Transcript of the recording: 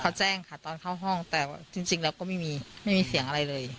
เขาแจ้งค่ะตอนเข้าห้องแต่ว่าจริงแล้วก็ไม่มีไม่มีเสียงอะไรเลย